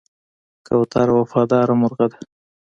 کوتره وفاداره مرغه ده.